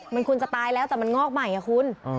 มันควรจะตายแล้วแต่มันงอกใหม่อ่ะคุณ